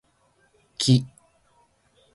木